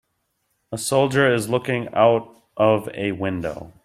A soldier is looking out of a window.